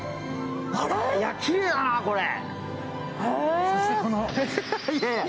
きれいだな、これ。